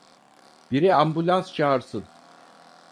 Biri ambulans çağırsın!